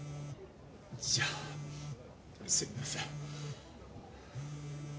じゃあすみません。